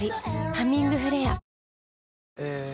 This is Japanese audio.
「ハミングフレア」え